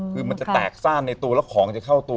คือมันจะแตกซ่านในตัวแล้วของจะเข้าตัว